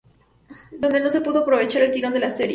Donde no se pudo aprovechar el tirón de la serie.